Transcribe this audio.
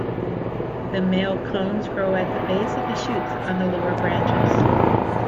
The male cones grow at the base of shoots on the lower branches.